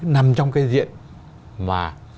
nằm trong cái diện mà